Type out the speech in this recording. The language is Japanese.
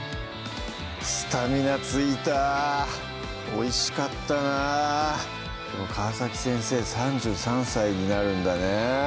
スタミナついたおいしかったなでも川先生３３歳になるんだね